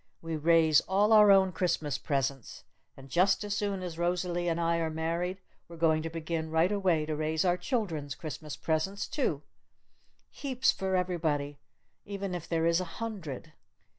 We raise all our own Christmas presents! And just as soon as Rosalee and I are married we're going to begin right away to raise our children's Christmas presents too! Heaps for everybody, even if there is a hundred!